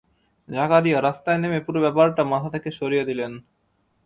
জাকারিয়া রাস্তায় নেমে পুরো ব্যাপারটা মাথা থেকে সরিয়ে দিলেন।